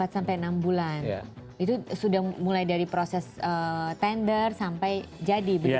empat sampai enam bulan itu sudah mulai dari proses tender sampai jadi begitu